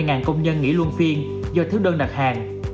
cho gần hai mươi công nhân nghỉ luân phiên do thiếu đơn đặt hàng